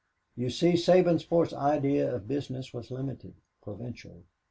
You see, Sabinsport's idea of business was limited, provincial.